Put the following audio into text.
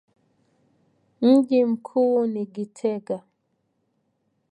Mji mkuu ni Gitega.